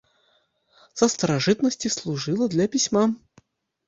Са старажытнасці служыла для пісьма.